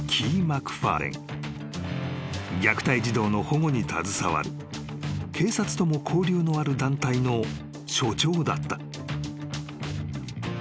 ［虐待児童の保護に携わる警察とも交流のある団体の所長だった］